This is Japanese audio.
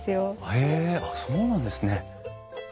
へえあっそうなんですね。